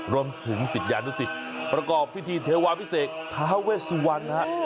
รวมถึงศิษยานุสิตประกอบพิธีเทวาพิเศษท้าเวสวรรณฮะ